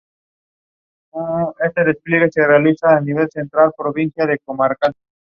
En febrero, fue dado de alta y regresó a Kamakura.